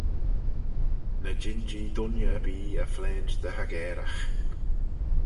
Ny jean-jee dooinney erbee y phlaint dy aggairagh.